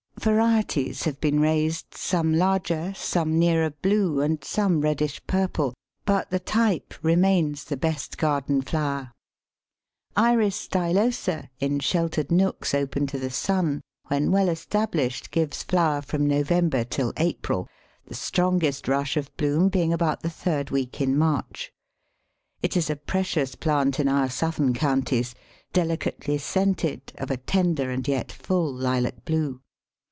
Varieties have been raised, some larger, some nearer blue, and some reddish purple, but the type remains the best garden flower. Iris stylosa, in sheltered nooks open to the sun, when well established, gives flower from November till April, the strongest rush of bloom being about the third week in March. It is a precious plant in our southern counties, delicately scented, of a tender and yet full lilac blue.